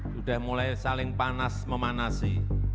sudah mulai saling panas memanasi